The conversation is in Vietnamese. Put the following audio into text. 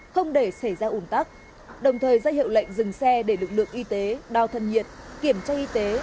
không để xảy ra ủn tắc đồng thời ra hiệu lệnh dừng xe để lực lượng y tế đo thân nhiệt kiểm tra y tế